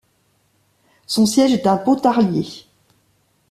Son siège est à Pontarlier.